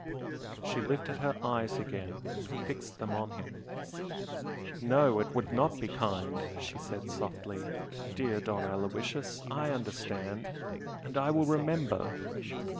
She lifted her eyes again and fixed them on him. "No, it would not be kind!" she said, softly "Dear Don Aloysius, I understand! And I will remember!"